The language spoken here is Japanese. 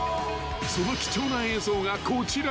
［その貴重な映像がこちら］